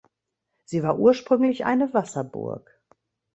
Sie war ursprünglich eine Wasserburg.